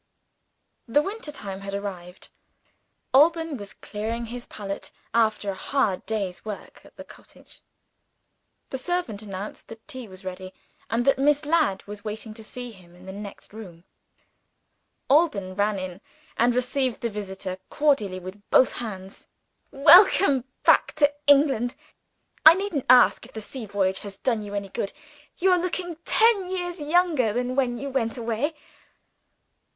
The winter time had arrived. Alban was clearing his palette, after a hard day's work at the cottage. The servant announced that tea was ready, and that Miss Ladd was waiting to see him in the next room. Alban ran in, and received the visitor cordially with both hands. "Welcome back to England! I needn't ask if the sea voyage has done you good. You are looking ten years younger than when you went away."